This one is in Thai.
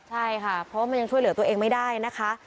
ใช่ค่ะเพราะว่ามันยังช่วยเหลือตัวเองไม่ได้นะคะ